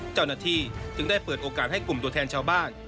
เจ้าหน้าที่จึงได้เปิดโอกาสให้กลุ่มตัวแทนชาวบ้าน